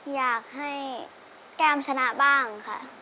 อยากให้แก้มชนะบ้างค่ะ